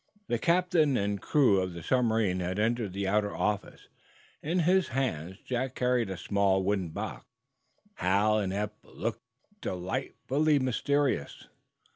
The captain and crew of the submarine had entered the outer office. In his hands Jack carried a small wooden box. Hal and Eph looked delightfully mysterious.